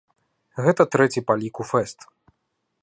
Гэта трэці па ліку фэст.